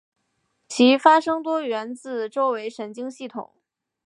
其发生多源自周围神经系统。